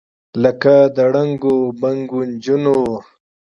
لکه د ړنګو بنګو نجونو،